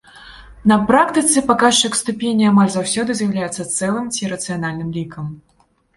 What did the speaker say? На практыцы паказчык ступені амаль заўсёды з'яўляецца цэлым ці рацыянальным лікам.